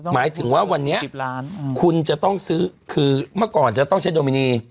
หมายถึงว่าวันนี้๑๐ล้านคุณจะต้องซื้อคือเมื่อก่อนจะต้องใช้โดมินี